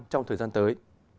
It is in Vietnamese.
trong thời gian tới